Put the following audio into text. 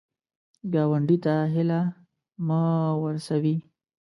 ګاونډي ته هیله مه ورسوې